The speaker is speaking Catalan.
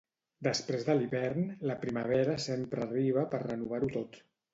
Després de l'hivern, la primavera sempre arriba per renovar-ho tot.